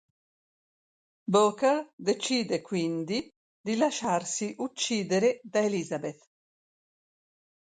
Booker decide quindi di lasciarsi uccidere da Elizabeth.